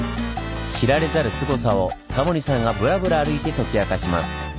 知られざる「スゴさ」をタモリさんがブラブラ歩いて解き明かします。